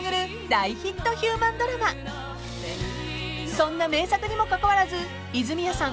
［そんな名作にもかかわらず泉谷さん